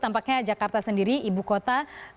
tampaknya jakarta sendiri ibu kota